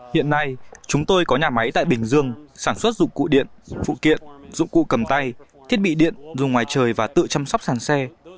hiện nay chúng tôi có nhà máy tại bình dương sản xuất dụng cụ điện phụ kiện dụng cụ cầm tay thiết bị điện dùng ngoài trời và tự chăm sóc sàn xe